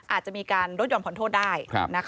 อาจจะมีการลดหย่อนผ่อนโทษได้